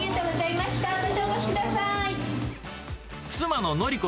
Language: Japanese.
またお越しください。